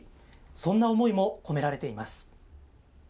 そんな思いも込められています。